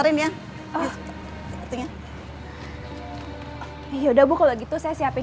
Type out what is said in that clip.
iya ini ada kok disini